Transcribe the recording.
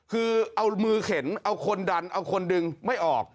คือเอามือเข็นเอาคนดันเอาคนดึงไม่ออก